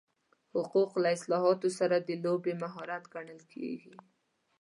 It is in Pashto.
حقوق له اصطلاحاتو سره د لوبې مهارت ګڼل کېږي.